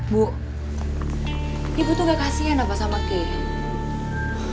bu ibu tuh gak kasihan apa sama kay